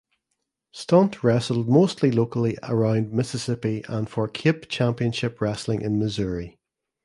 Stunt wrestled mostly locally around Mississippi and for Cape Championship Wrestling in Missouri.